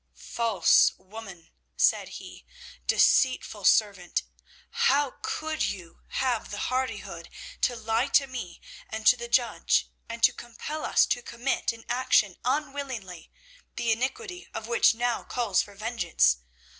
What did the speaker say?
"'False woman,' said he, 'deceitful servant! How could you have the hardihood to lie to me and to the judge, and to compel us to commit an action unwillingly, the iniquity of which now calls for vengeance?